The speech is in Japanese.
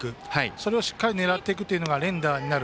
それをしっかり狙っていくのが連打になる。